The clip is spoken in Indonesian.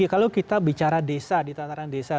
kalau kita bicara desa di tataran desa